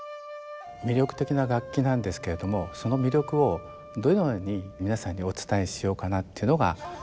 魅力的な楽器なんですけれどもその魅力をどのように皆さんにお伝えしようかなっていうのがやっぱりありまして。